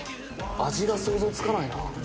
味が想像つかないな。